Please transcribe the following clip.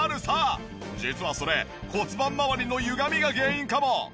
実はそれ骨盤まわりのゆがみが原因かも。